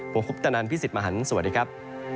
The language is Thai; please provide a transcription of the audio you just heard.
ผมคุปตนันพี่สิทธิมหันฯสวัสดีครับ